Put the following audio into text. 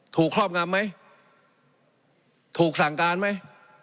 ครอบงำไหมถูกสั่งการไหม